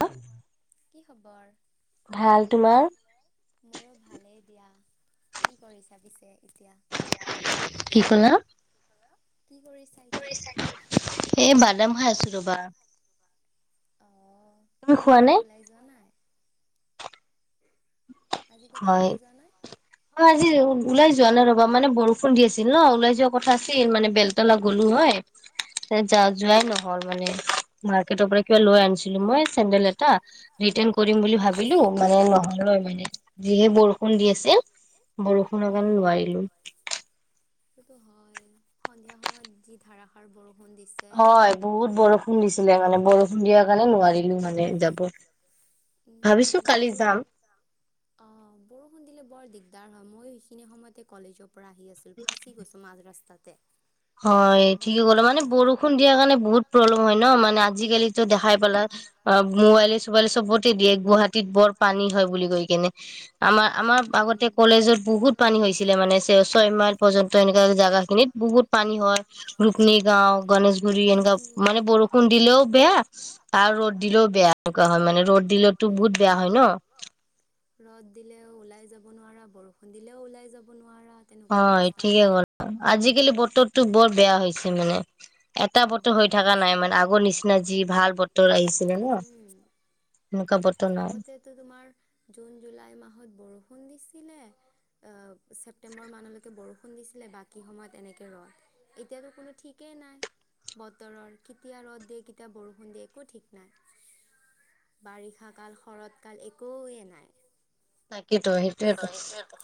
[unintelligible] ভাল তোমাৰ? মোৰো ভালেই দিয়া কি কৰি চ পিছে এতিয়া [unintelligible] কি ক'লা? কি কৰিছে? কৰিছা কি? এ বাদাম খাই আছো। ৰ'বা। আজি ক'তো ওলাই যোৱা নাই। আজি ক'তো ওলাই যোৱা নাই? উলাই যোৱা নাই ৰ'বা মানে বৰষুণ দি আছিল ন, উলাই যোৱা কথা আছিল মানে বেলতলা গ'লো হয় য যোৱাই নহল। মানে মাৰ্কেটৰ পৰা কিবা লৈ আনিছিলো মই, চেন্দেল এটা ৰিটাৰ্ণ কৰিম বুলি ভাবিলো মানে নহ [unintelligible] যিহে বৰষুণ দি আছে বৰষুণৰ কাৰণে নোৱাৰিলোঁ। সেটো হয়, সন্ধিয়া সময়ত যি ধাৰাসাৰ বৰ হয়, বহুত বৰষুণ দিছিলে মানে বৰষুণ দিয়াৰ কাৰণে নোৱাৰিলোঁ মানে যাব, ভাবিছোঁ কালি যাম। [unintelligible] ময়ো সেইখিনি সময়তে কলেজক পৰা আহি আছিল, ফাঁচি গৈছোঁ মাজ ৰাস্তাত। তে হয়, ঠিকে ক'লা মানে বৰষুণ দিয়াৰ কাৰণে বহুত প্ৰব্লেম হয়, ন' মানে আজিকালি দেখাই পালা অ', মোবাইলে ৱাল চবত দিয়ে গুৱাহাটীত বৰ পানী হয় বুলি কৈ কেনে আমাৰ আমাৰ আগতে কলেজত বহুত পানী হৈছিলে মানে ছয় মাইল পৰ্যন্ত এনেকুৱা জাগা খিনিত বহুত পানী হয় ৰুকমিনী গাও, গণেশগুৰি এনেকুৱা মানে বৰষুণ দিলেও বেয়া আৰু ৰ'দ দিলেও বেয়া এনেকুৱা হয় মানে ৰ'দ দিলে তাটো বহুত বেয়া হয় ন। ৰ'দ দিলেও ওলাই যাব নোৱাৰা বৰষুণ দিলেও ওলাই যাব নোৱাৰা। অ ঠিকে গ'ল আজিকালি বতৰটো বৰ বেয়া হৈছে মানে এটা বতৰ হৈ থকা নাই মানে আগৰ নিচিনা যি ভাল বতৰ আহিছিলে ন এনেকুৱা বতৰ আগতে তো তোমাৰ জুন জুলাই মাহত বৰষুণ দিছিল। নে অ ছেপ্টেম্বৰ মানলৈকে বৰষুণ বৰষুণ দিছিলে বাকী সময়ত এনেকে ৰয়। এতিয়া টো কোনো থিকেই নাই বতৰৰ। কেতিয়া ৰ'দ দেই কেতিয়া বৰষুণ দিয়ে একো ঠিকেই নাই বাৰিষা আঠাকাল শৰৎকাল একোৱেই নাই তাকেইেতো সেইটোয়েতো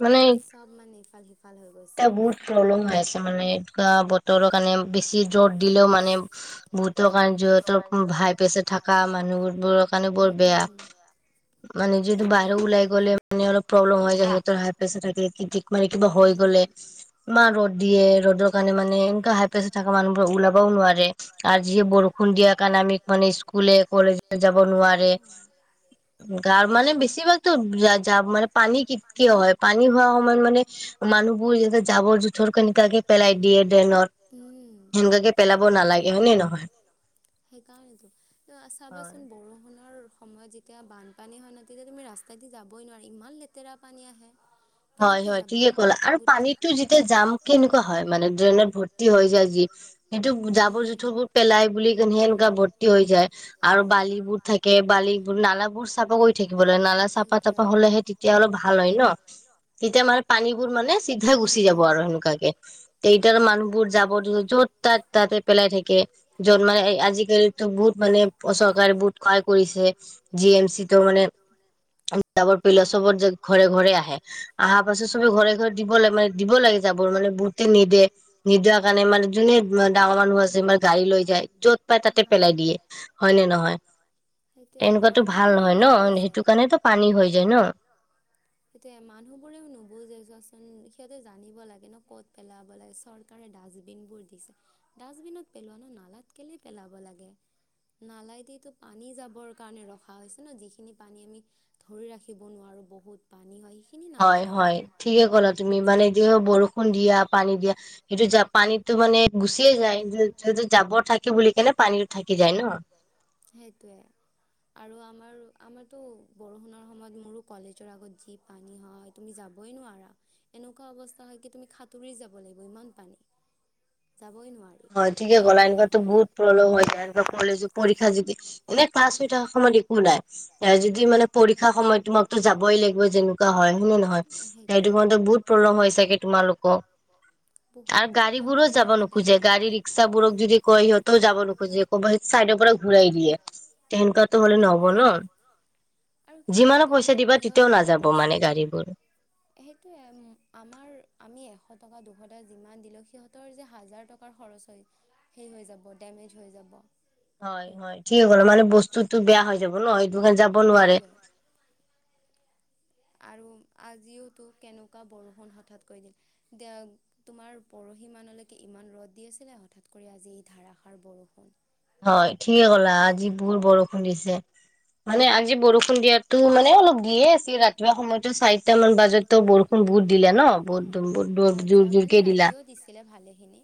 মানে এতিয়া বহুত প্ৰব্লেম হৈ আছে মানে এনেকুৱা বতৰৰ কাৰণে বেছি জ্বৰ দিলেও মানে বহুতৰ কাৰণে যিহতৰ হাই প্ৰেচাৰ থকা মানুহ বোৰৰ কাৰণে বৰ বেয়া মানে যিহেতু বাহিৰত ওলাই গৈ প্ৰব্লেম মানে প্ৰেব্লেম হৈ যায় হায় প্ৰেছাৰ সিহতৰ হাই প্ৰেচাৰ থাকে মানে কিবা হৈ গ'লে বা ৰদ দিয়ে ৰ'দৰ কাৰণে মানে এনেকুৱা হাই প্ৰেচাৰ থকা মানুহোৰ ওলাব ক'ব নোৱাৰে আজি বৰষুণ দিয়া কাৰণে আমি মানে স্কুলে কলেজে যাব নোৱাৰে গাঁৱৰ মানে বেছিভাগ জাবৰ মানে পানী কিয় হয় পানী হোৱা সময়ত মানে মানুহবোৰ যেনে জাবৰ জোথৰ তেনেকুৱা কে পেলাই দিয়ে ড্ৰেনত তেনেকুৱা কে সেই কাৰণে চাবাচোন বৰষুণৰ সময়ত যেতিয়া বানপানী হয় ন তেতিয়া তুমি ৰাস্তাই দি যাবই নোৱাৰা ইমান লেতেৰা পানী আহে। হয়, হয় ঠিকে ক'লা আৰু পানীতো যেতিয়া জাম কেনেকুৱা হয় মানে দ্ৰে নোত ভৰ্তি হৈ যায় যি সেইটো জাৱৰ -জোথৰবোৰ পেলাই বুলি তেনেকুৱা ভৰ্তি হৈ যায় আৰু বালিবোৰ থাকে বালিবোৰ নালাবোৰ চাফা কৰি। থাকিবলৈ নালা চাফা তাফা হলেহে তেতিয়া হে অলপ ভাল হয় ন। তেতিয়া মানে পানীবোৰ মানে চিধাই গুচি যাব আৰু সেনেুৱাকে এতিয়া মানুহবোৰ যাব য'ত তাত তাতে পেলাই থাকে যত মানে আজিকালিতো বহুত মানে চৰকাৰে বহুত ক্ৰয় কৰিছে জি এম চি তো মানে আজি কালি জাৱৰ পেলাব চবৰ যে ঘৰে ঘৰে আহে। অহাৰ পাছত চবে ঘৰে ঘৰে দিব লাগে জাৱৰ মানে দিব লাগে জাৱৰ মানে বহুতে নিদিয়ে নিদিয়া কাৰণে মানে যোনে ডাঙৰ মানুহ আছে গাড়ী লৈ যায় য'ত পাই তাতে পেলাই দিয়ে হয় নে নহয় এনেকুৱাতো ভাল নহয় ন। সেইটো কাৰণে তো পানী হৈ যায় ন। কোনেও নুবুজে চোৱাচোন সিহঁতে জানিব লাগে ন ক'ত পেলাব লাগে চৰকাৰে ডাষ্টবিন বোৰ দিছে ডাষ্টবিনত পেলোৱা ন নালাত কেলে পেলাব লাগে নালাই দিটো পানী যাবৰ কাৰণে ৰখা হৈছে ন যিখিনি সেইখিনি পানী আমি ধৰি ৰাখিব নোৱাৰোঁ বহুত পানী হয়। হয় হয় ঠিকে ক'লা তুমি মানে যি হওঁক বৰষুণ দিয়া পানী দিয়া সেইটো জাপানীটো মানে গুচিয়ে যায় যি যি যাবৰ থাকে বুলি কেনে পানী থাকি যায় ন। সেইটোৱে আৰু আমাৰ আমাৰতো বৰষুণৰ সময়ত মোৰো কলেজৰ আগত যি পানী হয় তুমি যাবই নোৱাৰা এনেকুৱা অৱস্থা হয় কি তুমি খাতুৰি যাব লাগিব ইমান পানী হয় ঠিকে ক'লে এনকাটো বহুত প্ৰব্লেম হৈ যায় এনেকা কলেজ পৰীক্ষ ক্ষা যদি এনে ক্লাছ হৈ থকা সময়ত একো নাই এ যদি মানে পৰীক্ষা সময়ত তোমাকতো যাবই লাগিব যেনেকুৱা হয় নে নহয়? সেইটো বহুত প্ৰব্লেম হয় চাগে তোমালোকক আৰু গাড়ী বোৰো যাব নোখোজে। ই-ৰিক্সাবোৰক যদি কয়, সিহঁতেও যাব নোখোজে কৰবাত চাইডৰ পৰা ঘূৰাই দিয়ে। তেনেকুৱাতো হ'লে নহব ন? যিমানো পইচা দিবা তেতিয়াও নাযাব মানে গাড়ীবোৰ। সেইটোৱে আমাৰ, আমি এশ টকা, দুশ টকা যিমান দিলেও, সিহঁতৰ যে হাজাৰ টকাৰ খৰচ হৈ, হেৰি হৈ যাব, ডেমেজ হৈ যাব। হয়, হয়, ঠিকেই ক'লে মানে, বস্তুটো বেয়া হৈ যাব ন? সেইটো কাৰণে যাব নোৱাৰে। আৰু আজিওতো কেনেকুৱা বৰষুণ হঠাৎ কৰি দিলে। এতিয়া, তোমাৰ পৰহিমানলৈকে ইমান ৰ'দ দি আছিলে হঠাৎ কৰি আজি এই ধাৰাসাৰ বৰষুণ। হয়, ঠিকে ক'লা আজি বহুত বৰ দিছে মানে, আজি বৰষুণ দিয়াতো, মানে অলপ দিয়ে আছিল ৰাতিপুৱা সময়তো চাৰিটামান বাজাতো বৰষুণ বহুত দিলে ন? বহুত [unintelligible] জোৰ-জোৰকে দিলা খিনি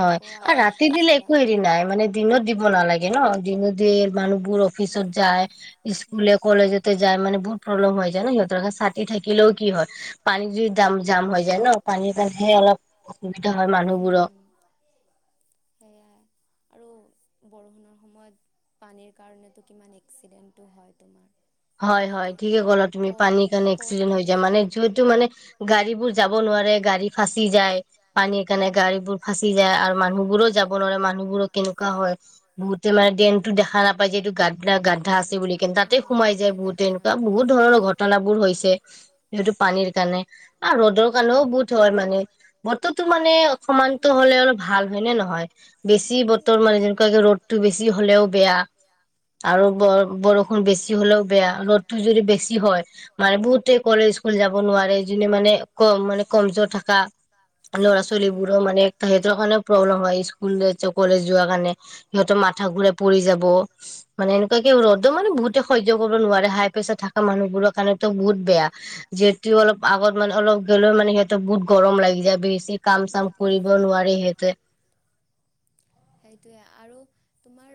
হয়, আ, ৰাতি দিলে একো হেৰি নাই মানে দিনত দিব নালাগে থাকে ন? দিনতে মানুহবোৰ অফিচত যায় স্কুলে, কলেজতে যায় মানে বহুত প্ৰব্লেম হৈ যায় ন সিহঁতৰ? ছাটি থাকিলেও কি হয় পানী যদি জাম, জাম হৈ যায় ন? পানীৰ কাৰণেহে অলপ অসুবিধা হয় মানুহবোৰক সেয়াই আৰু বৰষুণৰ সময়ত পানীৰ কাৰণেতো কিমান এক্সিডেণ্ট টো, হয়, তোমাৰ হয়, হয়, ঠিকেই ক'লা তুমি। পানীৰ কাৰণে এক্সিডেণ্ট হৈ যায় মানে, যিহেতু মানে, গাড়ীবোৰ যাব নোৱাৰে, গাড়ী ফাঁচি যায়, পানীৰ কাৰণে গাড়ীবোৰ ফাঁচি যায় আৰু মানুহ বোৰো যাব নোৱাৰে, মানুহবোৰো কেনেকুৱা হয়? বহুতে মানে দ্ৰেইনটো দেখা নাপাই যে এইটো গাত বা গাঁথা আছে বুলি [unintelligible] তাতে সোমাই যায় বহুতে এনেকুৱা বহুত ধৰণৰ ঘটনা বোৰ হৈছে যিহেতু পানীৰ কাৰণে। আ ৰ'দৰ কাৰণেও বহুত হয় মানে বতৰটো মানে সমান্ত হলে অলপ ভাল হয় নে নহয় বেছি বতৰ মানে যেনেকুৱাকে ৰ'দটো বেছি হলেও বেয়া আৰু বৰ বৰষুণ বেছি হলেও বেয়া ৰ'দটো যদি বেছি হয় মানে বহুতে কলেজ, স্কুল যাব নোৱাৰে জুনে মানে কম মানে কমজোৰ থাকা ল'ৰা-ছোৱালী বোৰো মানে সিহঁতৰ কাৰণেও প্ৰব্লেম হয় স্কুল কলেজ যোৱা কাৰণে সিহঁতৰ মাথা ঘুৰাই পৰি যাব মানে এনেকুৱাকে ৰ'দো মানে বহুত [unintelligible] নোৱাৰে হাই প্ৰেচাৰ থকা মানুহবোৰৰ কাৰণেটো বহুত বেয়া যিহেতু অলপ আগত মানে অলপ গ'লেও মানে সিহঁতে বহুত গৰম লাগি যায় বেছি কাম চাম কৰিব নোৱাৰে সিহঁতে তোমাৰ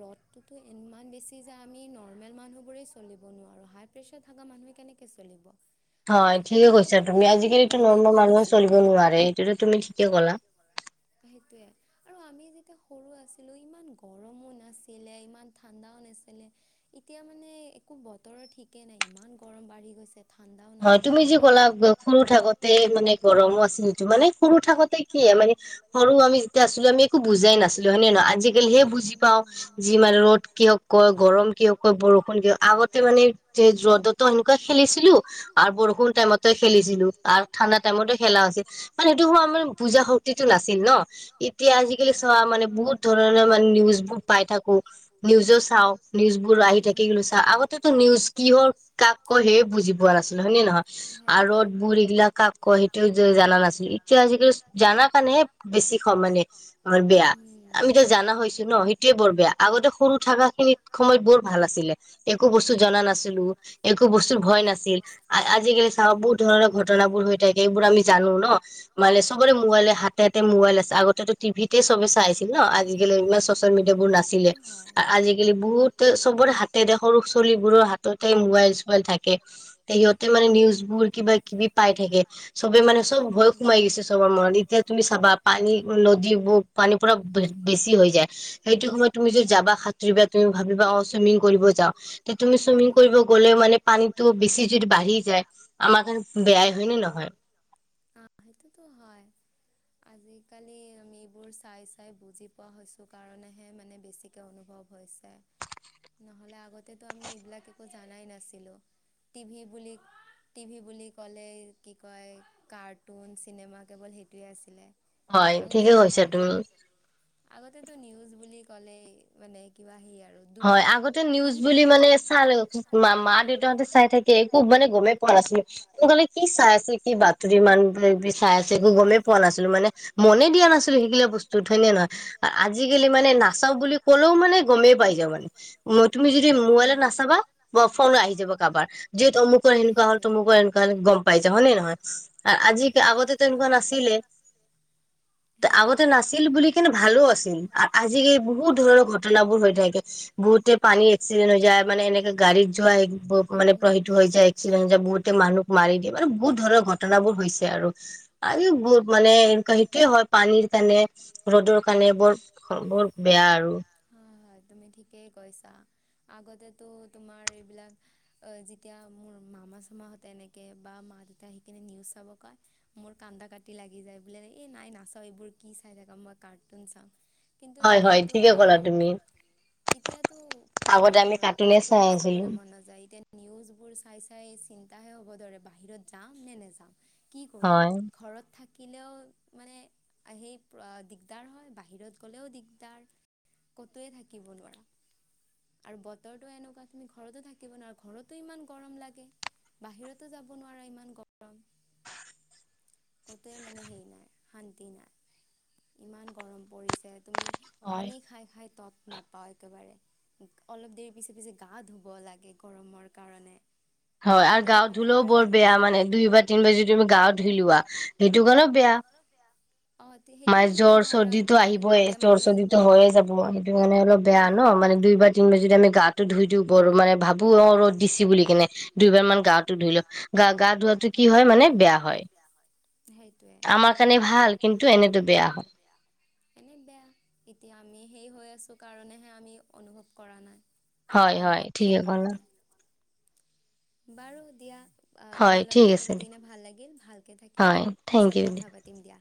ৰ'দটোতো ইমান বেছি যে আমি নৰ্মেল মানুহবোৰেই চলিব নোৱাৰোঁ হাই প্ৰেছাৰ থকা মানুহে কেনেকে চলিব। হয় ঠিকে কৈছে তুমি আজিকালিতো নৰ্মেল মানুহে চলিব নোৱাৰে সেইটোতো তুমি ঠিকে কলা। তেতিয়া সৰু আছিলো ইমান গৰমো নাছিলে ইমান ঠাণ্ডাও নাছিলে এতিয়া মানে একো বতৰৰ ঠিকে নাই ইমান গৰম বাঢ়ি গৈছে। হয়, তুমি যি ক'লা [unintelligible] সৰু থাকোতে মানে গৰমো আছিল, যিমানেই সৰু থাকোতে কি মানে সৰু আমি যেতিয়া আছিলোঁ আমি একো বুজাই নাছিলোঁ, আমি আজিকালিহে বুজি পাওঁ যি মানে ৰ'দ কিয় কয়, গৰম কিয় কয়, বৰষুণ কিয়, আগতে মানে ৰ'দতো সেনেকুৱা খেলিছিলোঁ আৰু বৰষুণ টাইমত খেলিছিলোঁ আৰু ঠাণ্ডা টাইমত খেলা হৈছিল মানে সেইটো হোৱা আানে বুজা শক্তিটো নাছিল ন! এতিয়া আজিকালি চোৱা মানে বহুত ধৰণৰ মানে নিউজ বোৰ পাই থাকোঁ, নিউজো চাওঁ, নিউজবোৰ আহি থাকি [unintelligible] চাওঁ আগতেতো নিউজ কিহৰ, কাক, কয় সেয়ে বুজি পোৱা নাছিল হয়, নহয় আ [unintelligible] গিলাক কাক কয় সেইটোও জানা নাছিলোঁ, এতিয়া আজিকালি জানা কাৰণেহে বেছি মানে বেয়া, আমিতো জানা হৈছো ন, সেইটোয়ে বৰ বেয়া আগতে সৰু থকা খিনিত সময়ত বৰ ভাল আছিলে। একো বস্তু জনা নাছিলোঁ, একো বস্তুৰ ভয় নাছিল [unintelligible] চা, বহুত ধৰণৰ ঘটনাবোৰ হৈ থাকে এইবোৰ আমি জানো ন' মানে চবৰে মোবাইলে হাতে, হাতে মোবাইল আছে আগতেটো টিভিতে চবে চাই আছিল ন! আজিকালি ইমান চচিয়েল মিডিয়াবোৰ নাছিলে আৰু আজিকালি বহুতে চবৰে হাতেৰে সৰু চলিবোৰৰ হাততে মোবাইল চোবাইল থাকে সিহঁতে মানে নিউজ মোৰ কিবা-কিবি পাই থাকে, সবে মানে চব ভয় সোমাই গৈছে চবৰ মনত, এতিয়া তুমি চাবা পানী নদীৰ পানী পৰা বেছি হৈ যায় সেইটো সময়ত তুমি যদি যাবা সাঁতুৰিবা তুমি ভাবিবা অ', চুইমিং কৰিব যাওঁ তে, তুমি চুইমিং কৰিব গ'লেও মানে পানীটো বেছি বাঢ়ি যায়। আমাৰা কাৰণে বেয়াই হয় নে নহয়। আজিকালি আমি এইবোৰ চাই চাই বুজি পোৱা হৈছোঁ কাৰণেহে মানে বেছিকে অনুভৱ হৈছে নহ'লে আগতেটো আমি এইবিলাক একো জানাই নাছিলোঁ, টিভি বুলি টিভি বুলি ক'লে কি কয় কাৰ্টুন চিনেমা কেৱল সেইটোৱে আছিলে। আগতে, [unintelligible] আগতেটো নিউজ বুলি ক'লে মানে কিবা সে আৰ হয় আগতে নিউজ বুলি মানে চাল মা মা দেউতাহঁতে চাই থাকে খুব মানে গমে পোৱা নাছিলো, সকলোৱে কি চাই আছে কি বাতৰি ইমান চাই আছে একো গমেই পোৱা নাছিলো মানে মনে দিয়া নাছিলো সেইগিলা বস্তুত হয়ে নে নহয়, আজিকালি মানে নাচাওঁ বুলি ক'লেও মানে গমেই পাই যাবা মতুমি তুমি যদি মোবাইলত নাচাবা ফ'ন আহি যাব কাৰবাৰ য'ত অমুকৰ এনেকুৱা হ'ল। তমুকো এনেকুৱা গম পাই যা হয়নে নহয় আৰু আজি আগতেটো এনেকুৱা নাছিলে আগতে নাছিল বুলি কিন্তু ভালো আছিল আ, আ, আজিকালি বহুত ধৰণৰ ঘটনাবোৰ হৈ থাক বহুতে পানী এক্সিডেন্ট হৈ যায় মানে সৈনেকে গাড়ী যোৱা মানে পুৰা সেইটো হৈ যায়, এক্সিডেণ্ট হৈ যায় বহুত কে মানুহক মাৰি দিয়ে মানে বহুত ধৰণৰ ঘটনাবোৰ হৈছে আৰু আৰু বহুত মানে এনেকুৱা সেইটোৱে হয় পানীৰ কাৰণে ৰ'দৰ কাৰণে বৰ, বৰ বেয়া আৰু। হয়, তুমি ঠিকেই কৈছা, আগতেটো তোমাৰ এইবিলাক অ', যেতিয়া মোৰ মামা চা মাহঁতে এনেকৈ বা মা দেউতাই আহি কেনে নিউজ চাব কয় মোৰ কান্দা কাটি লাগি যায় বোলে এই নাই নাচাওঁ এইবোৰ কি চাই থাকা মই কাৰ্টুন চাম। কিন্তু এতিয়াতো আৰু এতিয়াতো তোমাৰ কাৰ্টুনো চাবলৈ মন নাযায়, এতিয়া নিউজ বোৰ চাই চাই চিন্তাহে হ'ব ধৰে বাহিৰত যাম নে নেযাম? কি কৰো? ঘৰত থাক থাকিলেও মানে সেই দিগদাৰ হয় বাহিৰত গ'লেও দিগদাৰ, ক'তোৱে থাকিব নোৱাৰো। আৰু বতৰটো এনেকুৱা তুমি ঘৰতো থাকিব নোৱাৰা ঘৰতো ইমান গৰম লাগে। বাহিৰতো যাব নোৱাৰা ইমান গৰম ক'তোৱে মানে হেৰি নাই শান্তি নাই ইমান গৰম পৰিছে। তুমি পানী খাই খাই তৎ নাপাওঁ একেবাৰে, অলপ দেৰি পিছে পিছে গা ধুব লাগে গৰমৰ কাৰণে। হয় আৰু গাওঁ ধুলেও বৰ বেয়া মানে দুইবাৰ, তিনিবাৰ যদি তুমি গাটো ধুই লোৱা সেইটো কাৰণেও বেয়া। [unintelligible] জ্বৰ চৰ্দিটো আহিবই জ্বৰ চৰ্দিটো হয়য়ে যাব সেইটো কাৰণে অলপ বেয়া ন' মানে দুইবাৰ, তিনিবাৰ যদি আমি গাটো ধুই দিওঁ বৰ আৰু মানে ভাবো অ, ৰ'দ দিচি বুলি কেনে দুইবাৰ মান গাটো ধুই লও গা- গাটো ধোৱাতটো কি হয় মানে বেয়া হয়। আমাৰ কাৰনে ভাল কিন টো এনেতো বেয়া হয়। এনে বেয়া এতিয়া আমি সেই হৈ আছো কাৰণেহে আমি অনুভৱ কৰা নাই। হয় হয় ঠিকে কলা। বাৰু দিয়া। তোমাল লগত কথা পাতিনে ভাল লাগিল ভালকে থাকিবা পিছত কথা পাতিম দিয়া,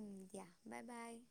উম দিয়া বাই বাই।